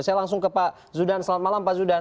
saya langsung ke pak zudan selamat malam pak zudan